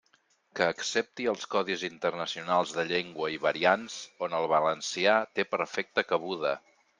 Que accepti els codis internacionals de llengua i variants, on el valencià té perfecta cabuda.